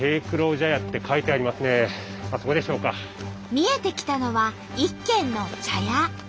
見えてきたのは一軒の茶屋。